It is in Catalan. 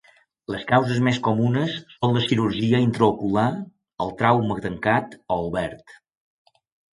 Les causes més comunes són la cirurgia intraocular, el trauma tancat o obert.